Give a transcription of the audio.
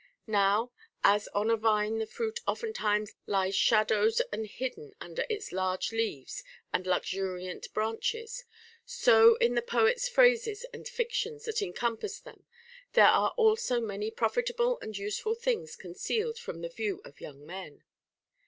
Now, as on a vine the fruit oftentimes lies shadowed and hidden under its large leaves and luxuriant branches, so in the poet's phrases and fictions that encompass them there are also many profitable and useful things concealed from the view of young men.